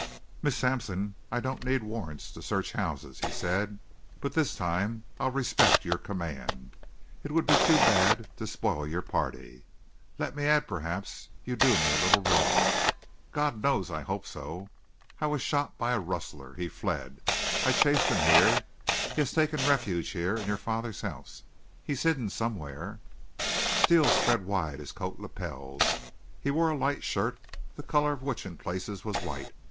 "Miss Sampson, I don't need warrants to search houses," he said. "But this time I'll respect your command. It would be too bad to spoil your party. Let me add, perhaps you do me a little wrong. God knows I hope so. I was shot by a rustler. He fled. I chased him here. He has taken refuge here in your father's house. He's hidden somewhere." Steele spread wide his coat lapels. He wore a light shirt, the color of which in places was white.